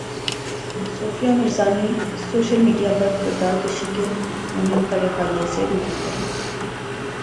صوفیہ مرزا نے social media پرکردار کشی کی مہم پر ایف ائی اے سے رجوع کر لیا